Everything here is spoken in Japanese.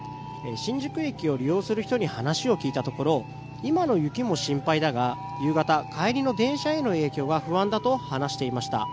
新宿駅を利用する人に話を聞いたところ今の雪も心配だが夕方、帰りの電車への影響が不安だと話していました。